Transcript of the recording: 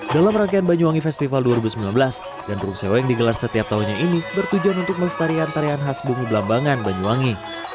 dalam rangkaian banyuwangi festival dua ribu sembilan belas gandrung sewa yang digelar setiap tahunnya ini bertujuan untuk melestarikan tarian khas bumi belambangan banyuwangi